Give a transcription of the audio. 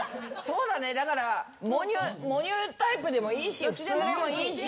だからモニュタイプでもいいし普通でもいいし。